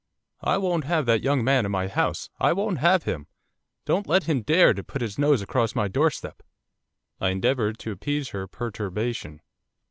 'I won't have that young man in my house. I won't have him! Don't let him dare to put his nose across my doorstep.' I endeavoured to appease her perturbation.